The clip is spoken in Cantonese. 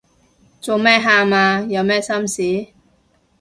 做咩喊啊？有咩心事